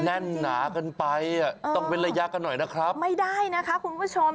แน่นหนากันไปอ่ะต้องเว้นระยะกันหน่อยนะครับไม่ได้นะคะคุณผู้ชม